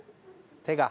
手が。